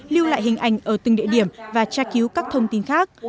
lưu lại hình ảnh ở từng địa điểm và tra cứu các thông tin khác